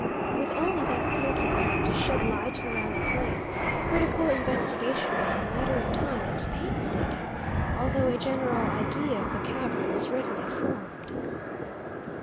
With only that smoky lamp to shed light around the place, critical investigation was a matter of time and painstaking, although a general idea of the cavern was readily formed.